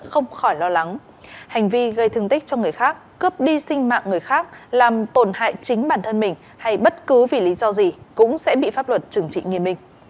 hành vi gây thương tích cho người khác cướp đi sinh mạng người khác làm tổn hại chính bản thân mình hay bất cứ vì lý do gì cũng sẽ bị pháp luật trừng trị nghiên minh